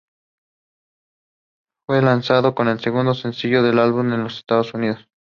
Fue lanzado como segundo sencillo del álbum, el en los Estados Unidos.